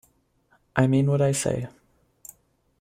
I mean what I say.